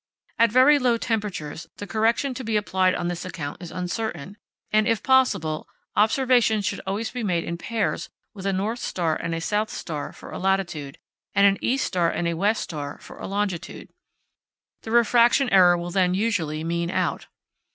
At very low temperatures, the correction to be applied on this account is uncertain, and, if possible, observations should always be made in pairs with a north star and a south star for a latitude, and an east star and a west star for a longitude. The refraction error will then usually mean out.